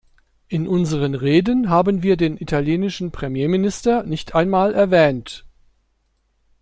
In unseren Reden haben wir den italienischen Premierminister nicht einmal erwähnt.